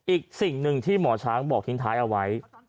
อีกสิ่งหนึ่งที่หมอช้างบอกทิ้งท้ายเอาไว้